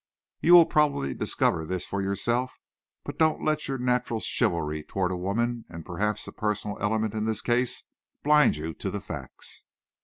You will probably discover this for yourself, but don't let your natural chivalry toward a woman, and perhaps a personal element in this case, blind you to the facts."